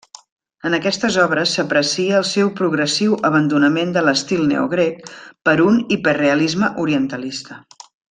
En aquestes obres s'aprecia el seu progressiu abandonament de l'estil neogrec per un hiperrealisme orientalista.